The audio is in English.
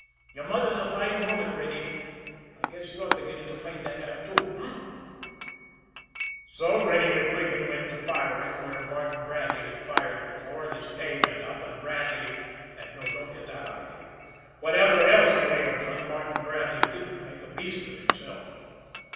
Your mother's a fine woman, Reddy. I guess you're beginning to find that out too h'm?" So Reddy MacQuigan went to firing where Martin Bradley had fired before, and his pay went up; and Bradley no, don't get that idea whatever else he may have done, Martin Bradley didn't make a beast of himself.